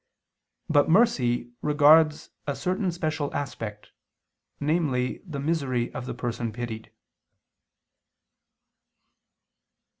But mercy regards a certain special aspect, namely the misery of the person pitied.